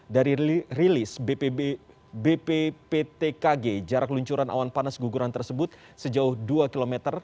dari rilis bpptkg jarak luncuran awan panas guguran tersebut sejauh dua km